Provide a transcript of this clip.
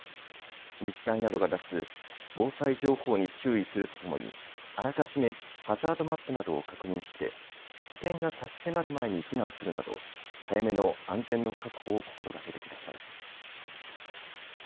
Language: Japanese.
自治体などが出す防災情報に注意するとともに、あらかじめハザードマップなどを確認して危険が差し迫る前に避難するなど早めの安全の確保を心がけてください。